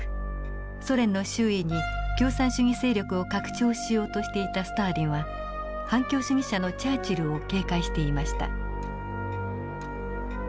ソ連の周囲に共産主義勢力を拡張しようとしていたスターリンは反共主義者のチャーチルを警戒していました。